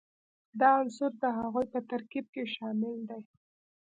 دا عنصر د هغوي په ترکیب کې شامل دي.